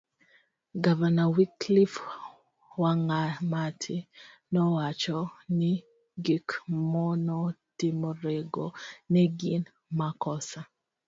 Gavana Wycliffe wangamati nowacho ni gik manotimrego ne gin makosa